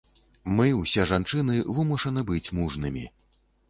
Мы, усе жанчыны, вымушаны быць мужнымі.